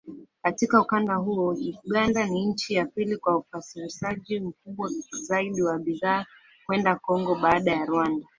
Katika ukanda huo, Uganda ni nchi ya pili kwa usafirishaji mkubwa zaidi wa bidhaa kwenda Kongo baada ya Rwanda